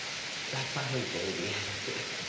ラッパ吹いて売り歩く。